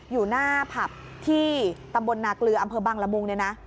อยู่หน้าผับที่ตำบลนาเกลืออำเภอบังละมุงเนี่ยนะ